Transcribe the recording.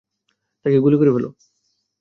তাকে গুলি করে ফেলো!